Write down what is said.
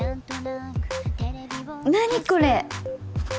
何これ！？